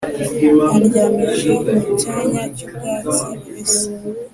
Andyamisha mu cyanya cy’ubwatsi bubisi